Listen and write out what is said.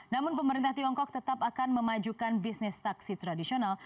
namun pemerintah tiongkok tetap akan memajukan bisnis taksi tradisional